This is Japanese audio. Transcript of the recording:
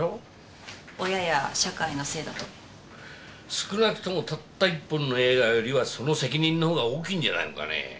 少なくともたった１本の映画よりはその責任のほうが大きいんじゃないのかね。